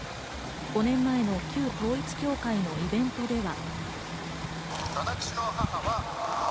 ５年前の旧統一教会のイベントでは。